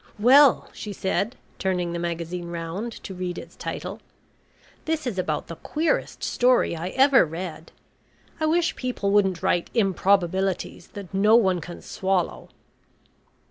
"Well," she said, turning the magazine round to read its title. "This is about the queerest story I ever read. I wish people wouldn't write improbabilities that no one can swallow."